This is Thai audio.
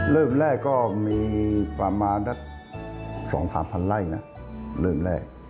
เริ่มแรกก็มีประมาณสัก๒๓๐๐ไร่นะเริ่มแรก